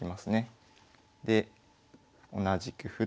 で同じく歩と。